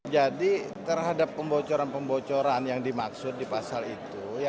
jadi terhadap pembocoran pembocoran yang dimaksud di pasal itu